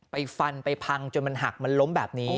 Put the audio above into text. ไปฟันไปพังจนมันหักมันล้มแบบนี้